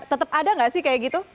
tetep ada gak sih kayak gitu